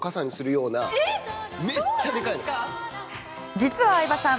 実は相葉さん